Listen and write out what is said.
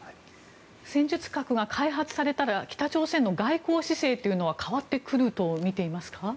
戦術核が開発されたら北朝鮮の外交姿勢というのは変わってくると見ていますか？